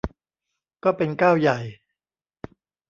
ก็เป็นก้าวใหญ่